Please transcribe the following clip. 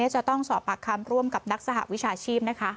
จะต้องสอบปากคำร่วมกับนักสหวิชาชีพนะคะ